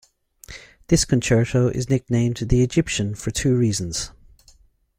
This concerto is nicknamed "The Egyptian" for two reasons.